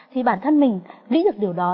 thì bản thân mình nghĩ được điều đó